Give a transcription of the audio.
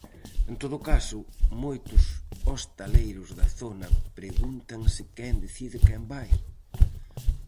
En todo caso, moitos hostaleiros da zona pregúntanse quen decide quen vai?